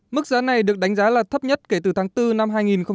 mức giá này được đánh giá là thấp nhất kể từ tháng bốn năm hai nghìn chín